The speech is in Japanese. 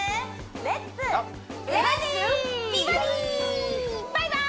バイバーイ！